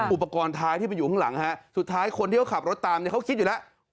อุปกรณ์ท้ายที่ไปอยู่ข้างหลังฮะสุดท้ายคนที่เขาขับรถตามเนี่ยเขาคิดอยู่แล้ว